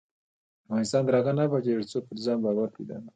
افغانستان تر هغو نه ابادیږي، ترڅو پر ځان باور پیدا نکړو.